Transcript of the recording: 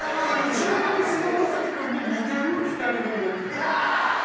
異常に菅田将暉君に似てる２人組だったの。